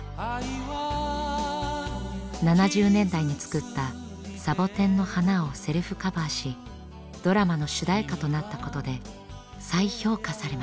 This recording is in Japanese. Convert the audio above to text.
７０年代に作った「サボテンの花」をセルフカバーしドラマの主題歌となったことで再評価されました。